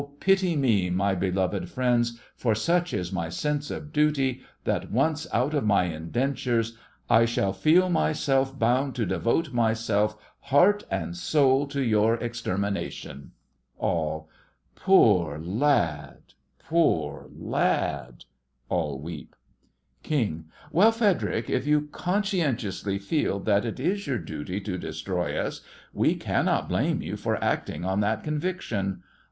pity me, my beloved friends, for such is my sense of duty that, once out of my indentures, I shall feel myself bound to devote myself heart and soul to your extermination! ALL: Poor lad — poor lad! (All weep) KING: Well, Frederic, if you conscientiously feel that it is your duty to destroy us, we cannot blame you for acting on that conviction.